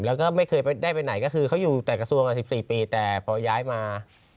แล้วก็ไม่เคยได้ไปไหนก็คือเขาอยู่แต่กระทรวงมา๑๔ปีแต่พอย้ายมา